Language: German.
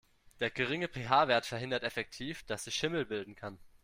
Der geringe PH-Wert verhindert effektiv, dass sich Schimmel bilden kann.